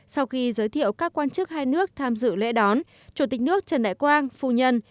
sau khi giới thiệu các quan chức hai nước tham dự lễ đón chủ tịch nước trần đại quang phu nhân